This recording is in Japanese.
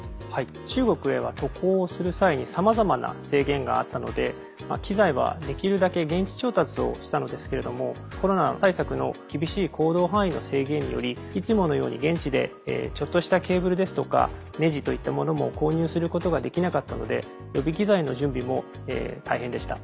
中国へは渡航する際にさまざまな制限があったので機材はできるだけ現地調達をしたのですけれどもコロナ対策の厳しい行動範囲の制限によりいつものように現地でちょっとしたケーブルですとかネジといったものも購入することができなかったので予備機材の準備も大変でした。